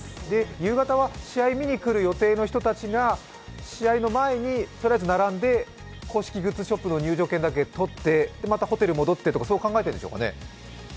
夕方は試合見に来る予定の人たちが、試合の前にとりあえず並んで公式入場グッズの列に並んでまたホテル戻ってとか、そう考えているんでしょうかね？